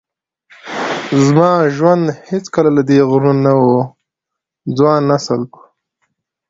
زما ژوند هیڅکله له دې غوره نه و. ځوان نسل په